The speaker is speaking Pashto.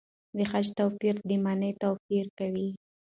د خج توپیر د مانا توپیر کوي.